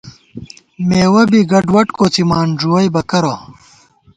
مېوَہ بی گڈوَڈ کوڅِمان، ݫُوَئیبہ کرہ